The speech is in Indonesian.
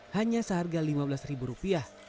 hanya seharga lima belas ribu rupiah